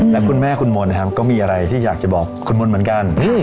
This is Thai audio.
และคุณแม่คุณมนต์นะครับก็มีอะไรที่อยากจะบอกคุณมนต์เหมือนกัน